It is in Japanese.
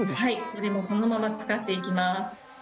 それもそのまま使っていきます。